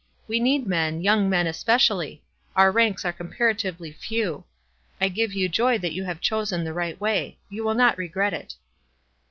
We need men, young men, especially. Our ranks are comparatively few. I give you joy that you have chosen the right way. You will not regret it."